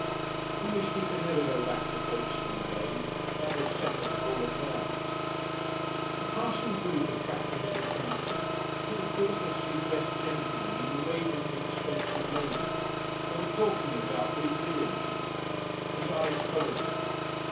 He wished he could never go back to Folkestone again. That would settle the whole affair. A passing group attracted his attention, two faultlessly dressed gentlemen and a radiantly expensive lady. They were talking, no doubt, very brilliantly. His eyes followed them.